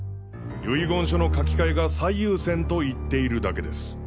遺言書の書き換えが最優先と言っているだけです。